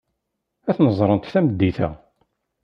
Ad ten-ẓrent tameddit-a.